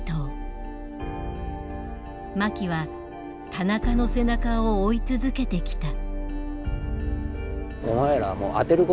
槇は田中の背中を追い続けてきた。